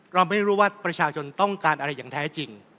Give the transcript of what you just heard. เราไม่รู้ว่าประชาชนต้องการอะไรอย่างแท้จริง